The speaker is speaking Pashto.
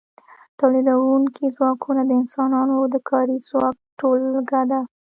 تولیدونکي ځواکونه د انسانانو د کاري ځواک ټولګه ده.